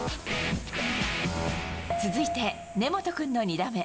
続いて、根本君の２打目。